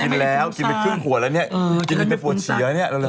กินแล้วกินไปครึ่งหัวแล้วแน่นี่กินไปผวดฉีย์เนี่ย